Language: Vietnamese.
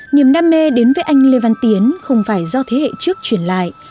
niềm đam mê đến với anh lê văn tiến không phải do thế hệ trước truyền lại